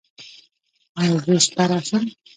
ایا زه شپه راشم؟